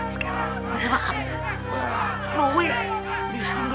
sih banguntung sing panenil reviewing silu